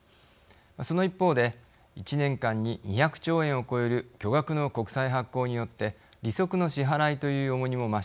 その一方で１年間に２００兆円を超える巨額の国債発行によって利息の支払いという重荷も増しています。